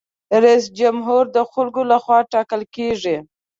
جمهور رئیس د خلکو له خوا ټاکل کیږي.